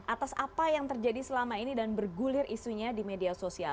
atas apa yang terjadi selama ini dan bergulir isunya di media sosial